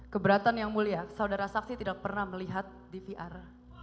keberatan yang mulia saudara saksi tidak pernah melihat dvr